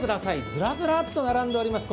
ずらずらっと並んでおります。